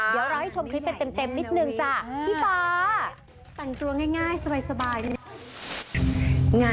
เดี๋ยวเราให้ชมคลิปเป็นเต็มนิดนึงจ้ะพี่ฟ้า